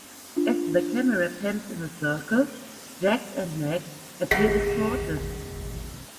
As the camera pans in a circle, Jack and Meg appear distorted.